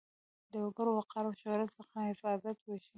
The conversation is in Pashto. د وګړو وقار او شهرت څخه حفاظت وشي.